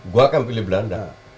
gue akan pilih belanda